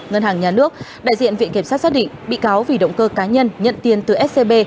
ngân hàng nhà nước đại diện viện kiểm sát xác định bị cáo vì động cơ cá nhân nhận tiền từ scb